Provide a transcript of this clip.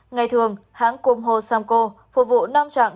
ngày thường hãng kumo samco phục vụ năm trạng